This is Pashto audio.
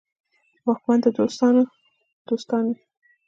واکمنان د دوستانو دوستان وي.